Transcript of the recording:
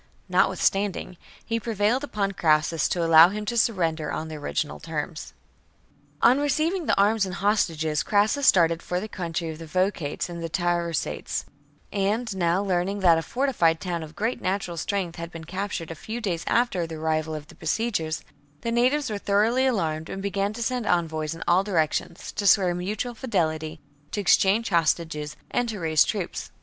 Notwithstanding, he prevailed upon Crassus to allow him to surrender on the original terms. 23. On receiving the arms and hostages, Aquitanian and Spanish Crassus started for the country of the Vocates tribes coni , r ' n t ^^^^ against and Tarusates. And now, learnmg that a fortified Crassus. town of great natural strength had been captured a few days after the arrival of the besiegers, the natives were thoroughly alarmed and began to send envoys in all directions, to swear mutual fidelity, to exchange hostages, and to raise troops.